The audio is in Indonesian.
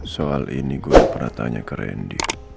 soal ini gue pernah tanya ke randy